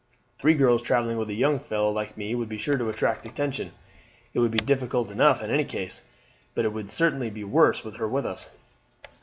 Three girls travelling with a young fellow like me would be sure to attract attention. It will be difficult enough in any case, but it would certainly be worse with her with us."